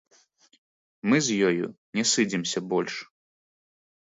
Мы з ёю не сыдземся больш.